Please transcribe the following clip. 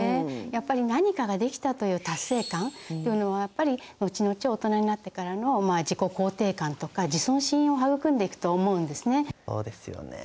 やっぱり何かができたという達成感というのはやっぱり後々大人になってからの自己肯定感とか自尊心を育んでいくと思うんですね。